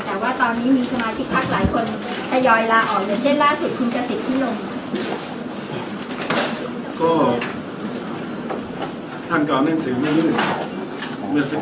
แต่ว่าตอนนี้มีสมาชิกภักดิ์หลายคนทยอยลาออกเหมือนเช่นล่าสิทธิ์คุณกษัตริย์ที่ลง